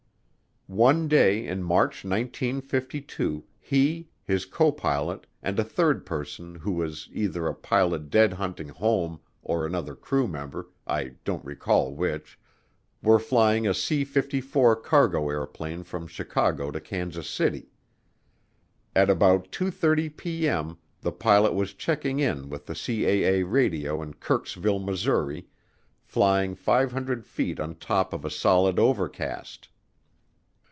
One day in March 1952 he, his copilot, and a third person who was either a pilot deadheading home or another crew member, I don't recall which, were flying a C 54 cargo airplane from Chicago to Kansas City. At about 2:30P.M. the pilot was checking in with the CAA radio at Kirksville, Missouri, flying 500 feet on top of a solid overcast.